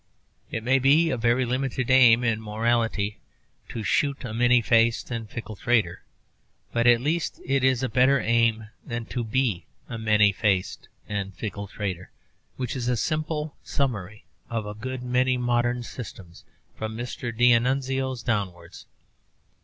It may be a very limited aim in morality to shoot a 'many faced and fickle traitor,' but at least it is a better aim than to be a many faced and fickle traitor, which is a simple summary of a good many modern systems from Mr. d'Annunzio's downwards.